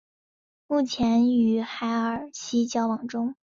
目前与海尔希交往中。